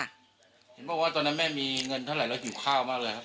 เห็นบอกว่าตอนนั้นแม่มีเงินเท่าไหร่แล้วหิวข้าวมากเลยครับ